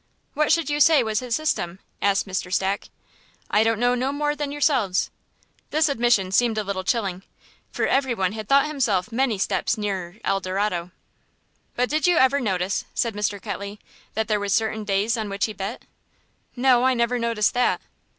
"What should you say was his system?" asked Mr. Stack. "I don't know no more than yerselves." This admission seemed a little chilling; for everyone had thought himself many steps nearer El Dorado. "But did you ever notice," said Mr. Ketley, "that there was certain days on which he bet?" "No, I never noticed that."